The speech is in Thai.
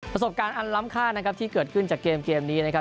ประสบการณ์อันล้ำค่านะครับที่เกิดขึ้นจากเกมนี้นะครับ